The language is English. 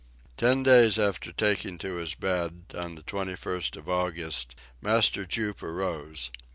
Ten days after taking to his bed, on the 21st of August, Master Jup arose.